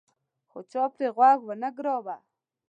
خو چا پرې غوږ ونه ګراوه.